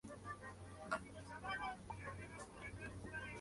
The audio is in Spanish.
Un imán temporal como el hierro es un material adecuado para los electroimanes.